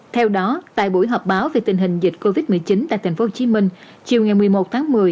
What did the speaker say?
theo đó tại buổi họp báo về tình hình dịch covid một mươi chín tại tp hcm chiều ngày một mươi một tháng một mươi